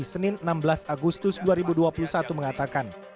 senin enam belas agustus dua ribu dua puluh satu mengatakan